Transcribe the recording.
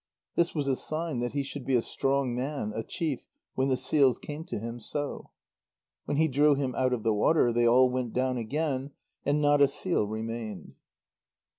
This was a sign that he should be a strong man, a chief, when the seals came to him so. When he drew him out of the water, they all went down again, and not a seal remained.